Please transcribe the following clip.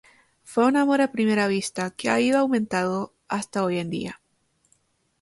Fue un amor a primera vista que ha ido aumentando hasta hoy en día.